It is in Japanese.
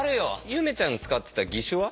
ゆめちゃんが使ってた義手は？